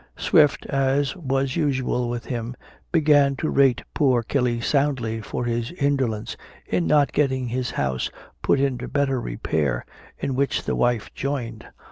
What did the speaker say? Swift, as was usual with him, began to rate poor Kelly soundly for his indolence in not getting his house put into better repair, in which the wife joined.